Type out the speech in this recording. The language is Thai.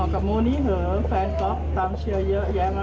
ออกกับมูนิเหอะแฟนก็ตามเชียร์เยอะแยะมากมาย